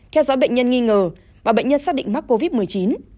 theo dõi bệnh nhân nghi ngờ bà bệnh nhân xác định mắc covid một mươi chín